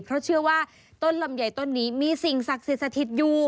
เขาเชื่อว่าต้นลำใหญ่ต้นนี้มีสิ่งศักดิ์สถิตยู